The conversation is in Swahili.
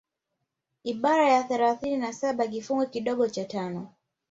Ibara ya thalathini na saba kifungu kidogo cha tano